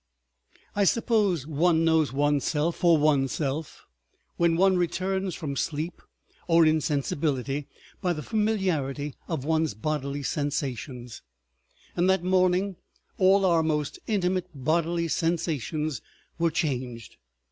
I suppose one knows one's self for one's self when one returns from sleep or insensibility by the familiarity of one's bodily sensations, and that morning all our most intimate bodily sensations were changed.